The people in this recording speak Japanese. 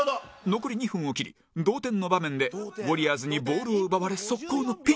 残り２分を切り同点の場面でウォリアーズにボールを奪われ速攻のピンチ！